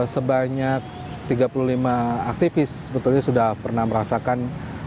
sebanyak tiga puluh lima aktivis sebetulnya sudah pernah merasakan